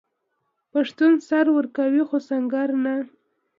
پښتون سر ورکوي خو سنګر نه.